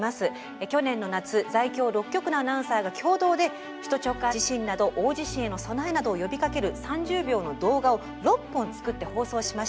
去年の夏在京６局のアナウンサーが共同で首都直下地震など大地震への備えなどを呼びかける３０秒の動画を６本作って放送しました。